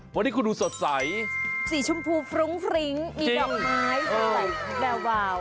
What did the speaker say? วันนี้คุณดูสดใสสีชมพูฟรุ้งฟริ้งมีดอกไม้สดใสแวววาว